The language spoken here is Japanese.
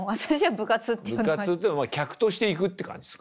部活っていっても客として行くって感じですか？